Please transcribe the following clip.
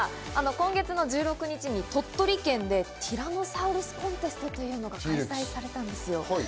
今月の１６日に鳥取県でティラノサウルスコンテストというのが開催されたんですよ。